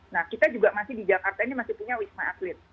nah kita juga masih di jakarta ini masih punya wisma atlet